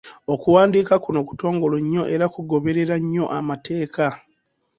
Okuwandiika kuno kutongole nnyo era kugoberera nnyo amateeka.